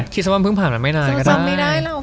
คิดตอนผมผิงผ่านมันไม่นานก็ได้